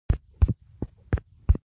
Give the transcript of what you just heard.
ارایایان کروندګر وو.